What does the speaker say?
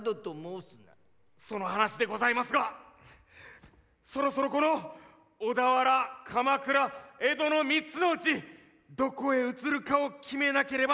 その話でございますがそろそろこの小田原鎌倉江戸の３つのうちどこへうつるかを決めなければなりませぬ。